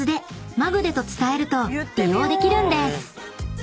「マグで」と伝えると利用できるんです］